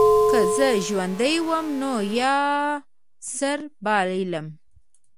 که زه ژوندی وم نو یا سر بایلم.